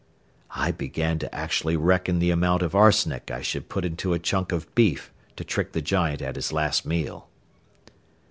I began to actually reckon the amount of arsenic I should put into a chunk of beef to trick the giant at his last meal.